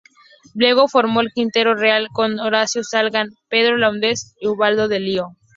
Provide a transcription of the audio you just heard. Luego formó el Quinteto Real con Horacio Salgán, Pedro Laurenz y Ubaldo de Lío.